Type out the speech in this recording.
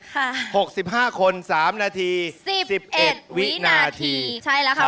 หกสิบห้าคนสามนาทีสิบสิบเอ็ดวินาทีใช่แล้วค่ะ